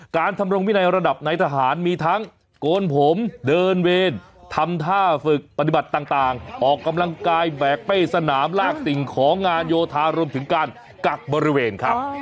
การทำรงวินัยระดับในทหารมีทั้งโกนผมเดินเวรทำท่าฝึกปฏิบัติต่างออกกำลังกายแบกเป้สนามลากสิ่งของงานโยธารวมถึงการกักบริเวณครับ